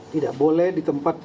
tidak boleh di tempat